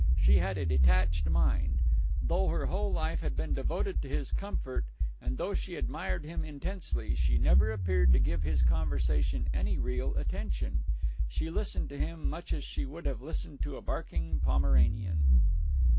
She had a detached mind. Though her whole life had been devoted to his comfort and though she admired him intensely, she never appeared to give his conversation any real attention. She listened to him much as she would have listened to a barking Pomeranian.